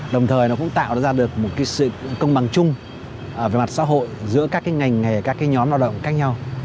đồng thời nó cũng tạo ra được một sự công bằng chung về mặt xã hội giữa các ngành các nhóm lao động khác nhau